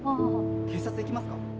警察行きますか？